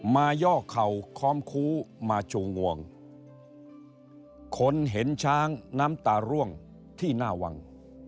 ย่อเข่าค้อมคู้มาชูงวงคนเห็นช้างน้ำตาร่วงที่หน้าวัง